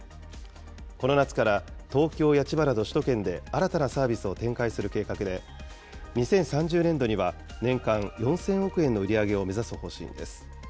この夏から、東京や千葉など首都圏で、新たなサービスを展開する計画で、２０３０年度には年間４０００億円の売り上げを目指す方針です。